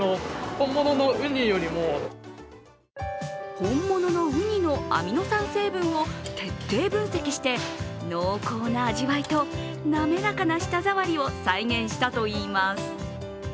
本物のうにのアミノ酸成分を徹底分析して濃厚な味わいとなめらかな舌触りを再現したといいます。